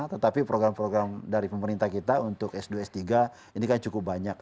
tetapi program program dari pemerintah kita untuk s dua s tiga ini kan cukup banyak